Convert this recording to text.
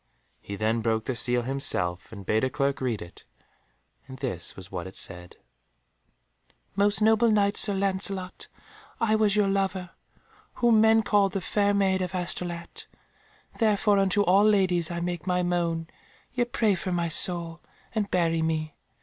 He then broke the seal himself, and bade a clerk read it, and this was what it said— "Most noble Knight Sir Lancelot, I was your lover, whom men called the Fair Maid of Astolat: therefore unto all ladies I make my moan; yet pray for my soul, and bury me.